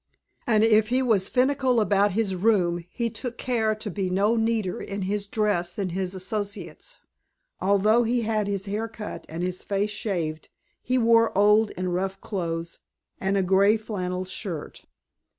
And if he was finical about his room he took care to be no neater in his dress than his associates. Although he had his hair cut and his face shaved he wore old and rough clothes and a gray flannel shirt.